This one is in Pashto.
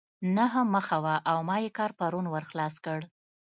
نهه مخه وه او ما ئې کار پرون ور خلاص کړ.